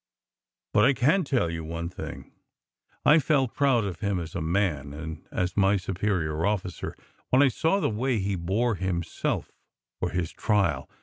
But I can tell you one thing: I felt proud of him as a man and as my superior officer when I saw the way he bore him self for his trial.